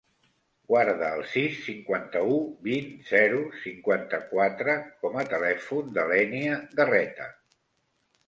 Guarda el sis, cinquanta-u, vint, zero, cinquanta-quatre com a telèfon de l'Ènia Garreta.